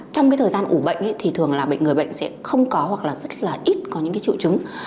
trong thời gian ủ bệnh bệnh người bệnh sẽ không có hoặc rất ít có những triệu chứng